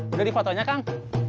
udah di fotonya kang